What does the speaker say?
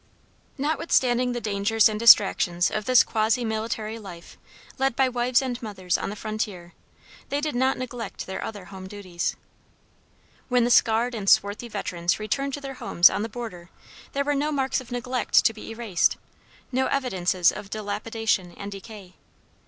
Notwithstanding the dangers and distractions of this quasi military life led by wives and mothers on the frontier they did not neglect their other home duties. When the scarred and swarthy veterans returned to their homes on the border there were no marks of neglect to be erased, no evidences of dilapidation and decay.